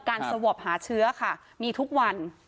สวอปหาเชื้อค่ะมีทุกวัน